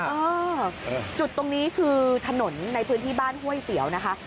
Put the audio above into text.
เออจุดตรงนี้คือถนนในพื้นที่บ้านห้วยเสียวนะคะ